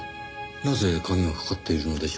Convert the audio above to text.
なぜ鍵がかかっているのでしょう。